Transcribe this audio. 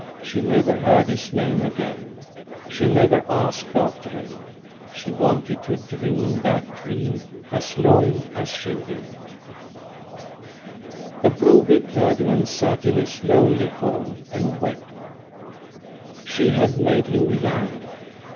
She never heard his name again, she never asked after him. She wanted to dream that dream as long as she lived. The Broby clergyjnan sat in his lonely home and wept She had made him young.